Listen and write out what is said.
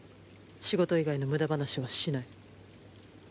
仕事以外の無駄話はしない。